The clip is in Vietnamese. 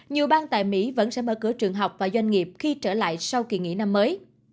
nhiều bang tại mỹ vẫn sẽ mở cửa trường học và doanh nghiệp khi trở lại sau kỳ nghỉ năm mới